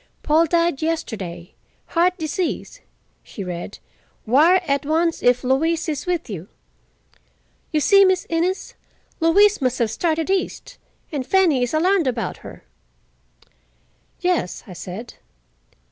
"'Paul died yesterday. Heart disease,'" she read. "'Wire at once if Louise is with you.' You see, Miss Innes, Louise must have started east, and Fanny is alarmed about her." "Yes," I said.